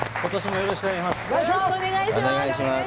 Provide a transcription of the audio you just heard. よろしくお願いします。